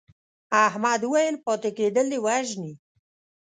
احمد وویل پاتې کېدل دې وژني.